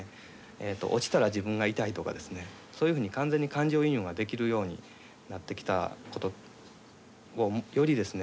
落ちたら自分が痛いとかですねそういうふうに完全に感情移入ができるようになってきたことをよりですね